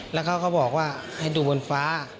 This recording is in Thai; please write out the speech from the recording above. แล้วเขาก็บอกว่าให้ดูบนฟ้า